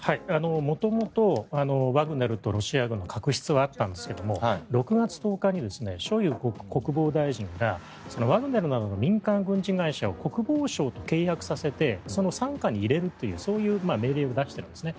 元々、ワグネルはロシアとの確執はあったんですが６月１０日にショイグ国防大臣がワグネルなどの民間軍事会社を国防省と契約させてその傘下に入れるという命令を出しているんですね。